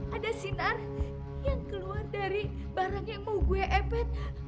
ada sinar yang keluar dari barang yang mau gue empet